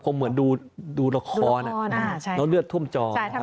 เหมือนดูละครแล้วเลือดท่วมจอ